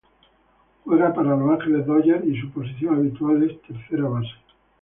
Juega para Los Angeles Dodgers y su posición habitual es tercera base.